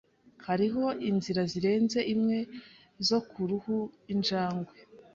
Hariho inzira zirenze imwe zo kuruhu injangwe.